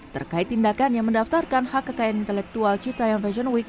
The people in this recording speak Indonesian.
terkait tindakan yang mendaftarkan hak kekayaan intelektual cita yang fashion week